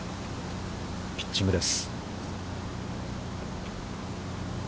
ピッチングです。